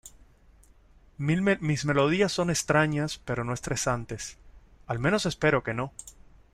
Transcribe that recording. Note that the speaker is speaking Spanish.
Mis melodías son extrañas pero no estresantes, ¡al menos espero que no!